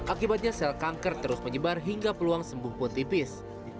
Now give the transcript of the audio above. akibatnya sel kanker terus menyebar hingga peluang sembuh pun tipis